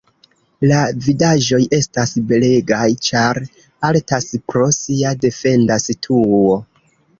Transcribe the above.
La vidaĵoj estas belegaj ĉar altas pro sia defenda situo.